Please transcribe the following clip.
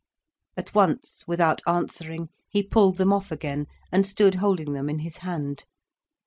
At once, without answering, he pulled them off again, and stood holding them in his hand.